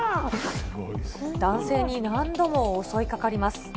男性に何度も襲いかかります。